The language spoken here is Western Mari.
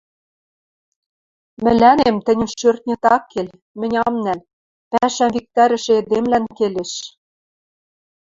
Мӹлӓнем тӹньӹн шӧртнет ак кел, мӹнь ам нӓл, пӓшӓм виктӓрӹшӹ эдемлӓн келеш...